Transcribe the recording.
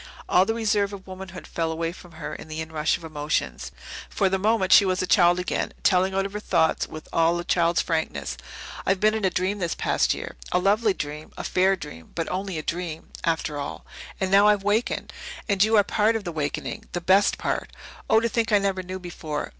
All the reserve of womanhood fell away from her in the inrush of emotions. For the moment she was a child again, telling out her thoughts with all a child's frankness. "I've been in a dream this past year a lovely dream a fair dream, but only a dream, after all. And now I've wakened. And you are part of the wakening the best part! Oh, to think I never knew before!"